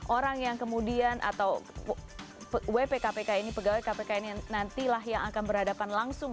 orang yang kemudian atau wp kpk ini pegawai kpk ini nantilah yang akan berhadapan langsung